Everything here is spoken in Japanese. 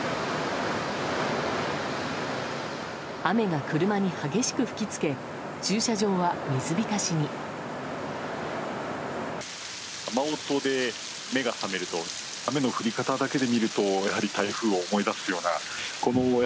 雨が車に激しく吹きつけ駐車場は水浸しに。